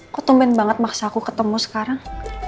kok tumpen banget maksa aku ketemu sekarang